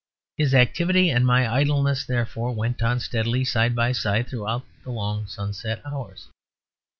His activity and my idleness, therefore, went on steadily side by side through the long sunset hours.